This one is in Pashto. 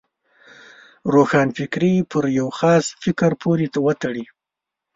روښانفکري پر یو خاص فکر پورې وتړي.